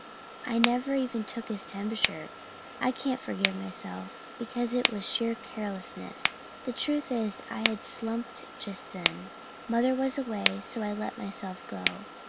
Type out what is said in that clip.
I never even took his temperature, and I can't forgive myself, because it was sheer carelessness. The truth is I had slumped just then. Mother was away, so I let myself go.